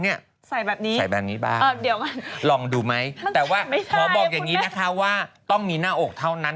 ใส่แบบนี้ปั้งลองดูไหมแต่ว่าขอบอกอย่างนี้นะคะว่าต้องมีหน้าอกเท่านั้น